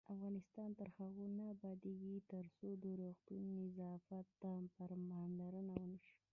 افغانستان تر هغو نه ابادیږي، ترڅو د روغتونونو نظافت ته پاملرنه ونشي.